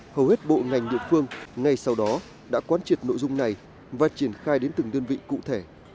hầu hết bộ ngành địa phương ngay sau đó đã quán triệt nội dung này và triển khai đến từng đơn vị cụ thể